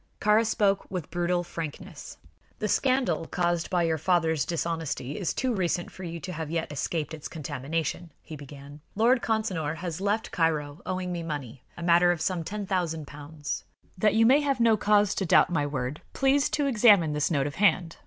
Kāra spoke with brutal frankness. "The scandal caused by your father's dishonesty is too recent for you to have yet escaped its contamination," he began. "Lord Consinor has left Cairo owing me money, a matter of some ten thousand pounds. That you may have no cause to doubt my word, please to examine this note of hand.